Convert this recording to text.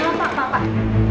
ma pak pak pak